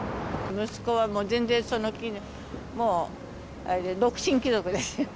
息子はもう全然その気が、もう独身貴族です。